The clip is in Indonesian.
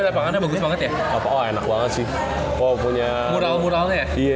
tapi lapangannya bagus banget ya